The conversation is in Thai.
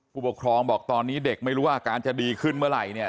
ผู้ปกครองบอกตอนนี้เด็กไม่รู้ว่าอาการจะดีขึ้นเมื่อไหร่เนี่ย